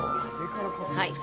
はい。